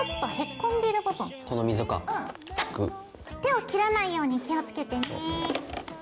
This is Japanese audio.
手を切らないように気をつけてね。